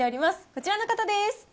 こちらの方です。